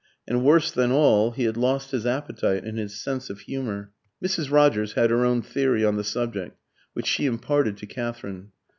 And worse than all, he had lost his appetite and his sense of humour. Mrs. Rogers had her own theory on the subject, which she imparted to Katherine.